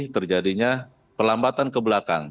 terjadinya pelambatan ke belakang